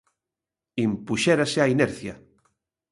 Impuxérase a inercia.